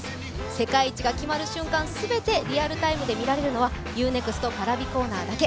世界一が決まる瞬間を全てリアルタイムで見られるのはＵ−ＮＥＸＴＰａｒａｖｉコーナーだけ。